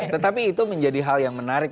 tetapi itu menjadi hal yang menarik